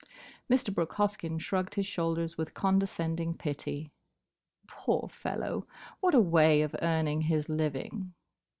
Mr. Brooke Hoskyn shrugged his shoulders with condescending pity. "Poor fellow! What a way of earning his living!"